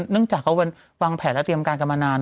นึกจากเขาวางแผนแล้วเตรียมการกรรมนา